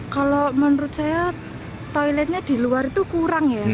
kalau menurut saya toiletnya di luar itu kurang ya